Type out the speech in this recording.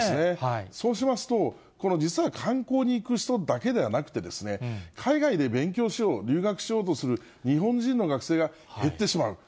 そうしますと、実は観光に行く人だけではなくて、海外で勉強しよう、留学しようとする日本人の学生が減ってしまう。